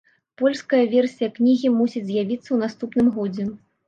Польская версія кнігі мусіць з'явіцца ў наступным годзе.